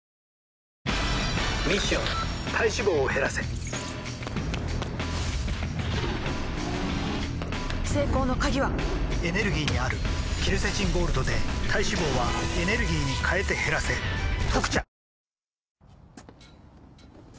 ミッション体脂肪を減らせ成功の鍵はエネルギーにあるケルセチンゴールドで体脂肪はエネルギーに変えて減らせ「特茶」